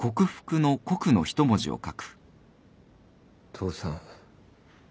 父さん